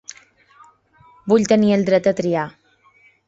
Vull tenir el dret a triar.